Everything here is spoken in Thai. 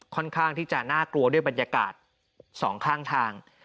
ค่อนข้างที่จะน่ากลัวด้วยบรรยากาศสองข้างทาง